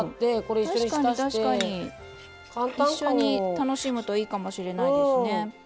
一緒に楽しむといいかもしれないですね。